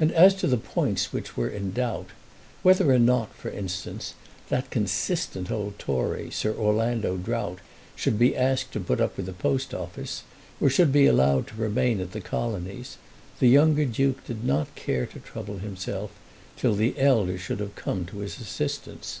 And as to the points which were in doubt, whether or not, for instance, that consistent old Tory Sir Orlando Drought should be asked to put up with the Post office or should be allowed to remain at the Colonies, the younger Duke did not care to trouble himself till the elder should have come to his assistance.